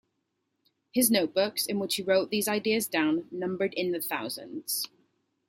His notebooks, in which he wrote these ideas down, numbered in the thousands.